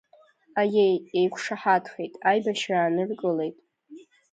Аиеи, еиқәшаҳаҭхеит, аибашьра ааныркылеит.